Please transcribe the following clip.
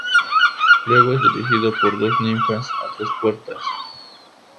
Luego es dirigido por dos ninfas a tres puertas.